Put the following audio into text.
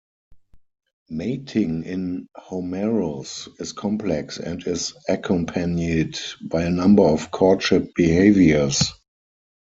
Mating in "Homarus" is complex and is accompanied by a number of courtship behaviours.